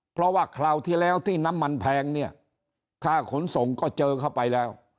เพราะว่าคราวที่แล้วที่น้ำมันแพงเนี่ยค่าขนส่งก็เจอเข้าไปแล้ว